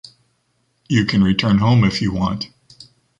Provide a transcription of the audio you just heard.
You can return home If you want.